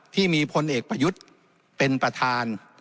พลเอกประยุทธ์เป็นประธาน